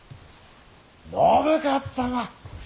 信雄様。